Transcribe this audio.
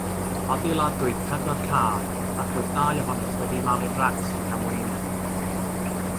Adeiladwyd pedwar car, ac roedd dau ohonynt wedi'u malu'n racs mewn damweiniau.